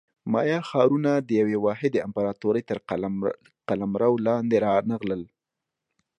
مایا ښارونه د یوې واحدې امپراتورۍ تر قلمرو لاندې رانغلل